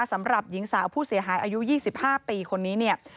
สำหรับหญิงสาวผู้เสียหายอายุ๒๕ปีคนนี้เนี่ย